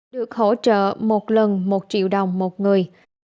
được hỗ trợ một lần một triệu đồng một người